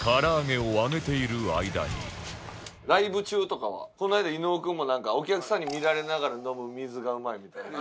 ライブ中とかはこの間伊野尾君もなんかお客さんに見られながら飲む水がうまいみたいな。